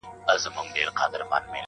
لکه شمع بلېده په انجمن کي-